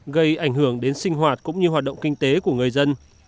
gây ảnh hưởng đến sinh hoạt cũng như hoạt động kinh tế của người dân